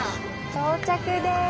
到着です！